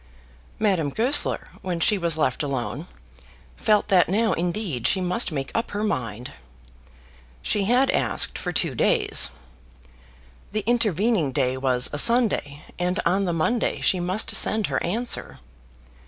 Madame Goesler, when she was left alone, felt that now indeed she must make up her mind. She had asked for two days. The intervening day was a Sunday, and on the Monday she must send her answer.